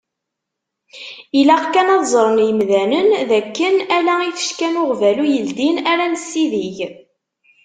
Ilaq kan ad ẓren yimdanen d akken ala ifecka n uɣbalu yeldin ara nessidig.